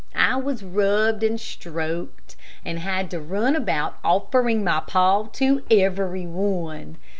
I was rubbed and stroked, and had to run about offering my paw to every one.